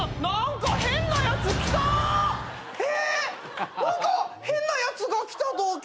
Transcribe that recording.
何か変なやつが来たど。